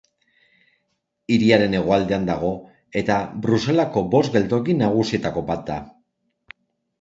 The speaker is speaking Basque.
Hiriaren hegoaldean dago, eta Bruselako bost geltoki nagusietako bat da.